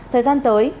thời gian tới